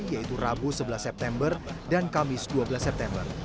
yaitu rabu sebelas september dan kamis dua belas september